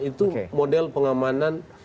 itu model pengamanan